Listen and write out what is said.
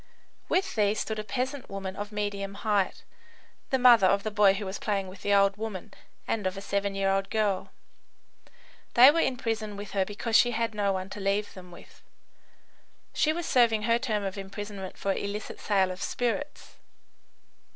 With these stood a peasant woman of medium height, the mother of the boy who was playing with the old woman and of a seven year old girl. These were in prison with her because she had no one to leave them with. She was serving her term of imprisonment for illicit sale of spirits.